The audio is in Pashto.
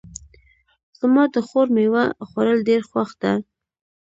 زما د خور میوه خوړل ډېر خوښ ده